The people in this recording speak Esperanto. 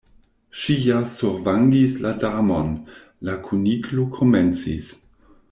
"Ŝi ja survangis la Damon" la Kuniklo komencis.